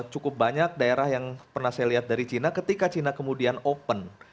cukup banyak daerah yang pernah saya lihat dari china ketika cina kemudian open